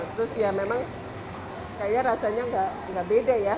terus ya memang kayaknya rasanya nggak beda ya